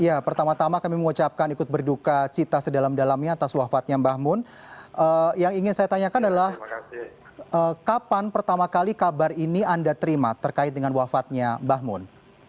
ya pertama tama kami mengucapkan ikut berduka cita sedalam dalamnya atas wafatnya mbah mun yang ingin saya tanyakan adalah kapan pertama kali kabar ini anda terima terkait dengan wafatnya mbah mun